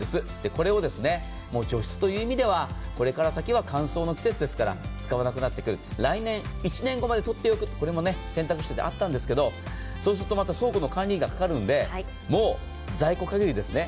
これを除湿という意味ではこれから先は乾燥の季節ですから使わなくなってくる、来年１年後までとっておく、これも選択肢としてあったんですけど、そうするとまた、倉庫の管理費がかかるので、もう在庫管理ですね